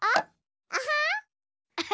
アハ。